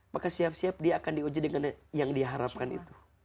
maka siap siap dia akan diuji dengan yang diharapkan itu